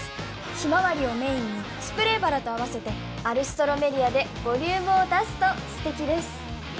ヒマワリをメインにスプレーバラと合わせてアルストロメリアでボリュームを出すと素敵です